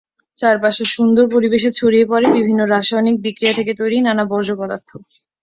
চারপাশের সুন্দর পরিবেশে ছড়িয়ে পরে বিভিন্ন রাসায়নিক বিক্রিয়া থেকে তৈরি নানা বর্জ্য পদার্থ।